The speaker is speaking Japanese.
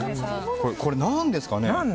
これ何ですかね。